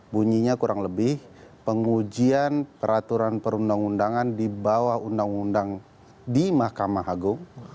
bunyinya kurang lebih pengujian peraturan perundang undangan di bawah undang undang di mahkamah agung